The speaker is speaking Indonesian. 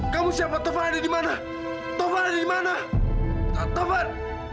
kamu siapa taufan ada di mana tova ada di mana tovar